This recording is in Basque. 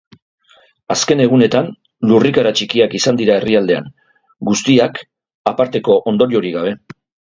Azken egunetan lurrikara txikiak izan dira herrialdean, guztiak aparteko ondoriorik gabe.